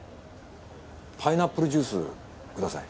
パイナップルジュースください。